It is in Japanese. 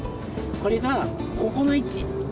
これがここの位置。